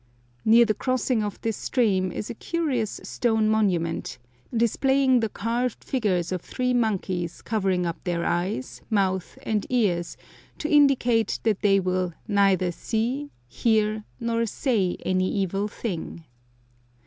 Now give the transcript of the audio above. Near the crossing of this stream is a curious stone monument, displaying the carved figures of three monkeys covering up their eyes, mouth, and ears, to indicate that they will "neither see, hear, nor say any evil thing."